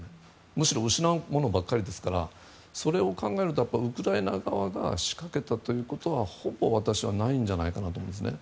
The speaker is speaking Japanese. むしろ失うものばっかりですからそれを考えるとウクライナ側が仕掛けたということはほぼ私はないんじゃないかと思いますね。